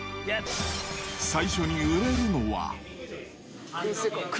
最初に売れるのは。